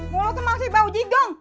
mau lu kemasin bau gigong